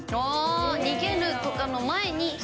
逃げるとかの前に。